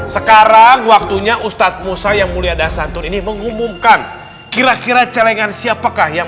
sekarang waktunya ustadz musa yang mulia dah santun ini mengumumkan kira kira celengan siapakah yang